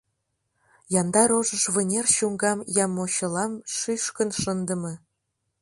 Янда рожыш вынер чуҥгам я мочылам шӱшкын шындыме.